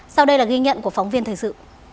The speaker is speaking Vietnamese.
sau đây là ghi nhận của phóng viên thời sự